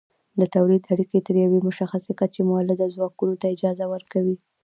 د تولید اړیکې تر یوې مشخصې کچې مؤلده ځواکونو ته اجازه ورکوي.